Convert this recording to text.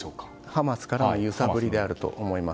ハマスからの揺さぶりであると思います。